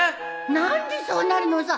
何でそうなるのさ！